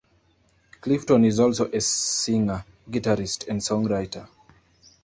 Clifton is also a singer, guitarist, and songwriter.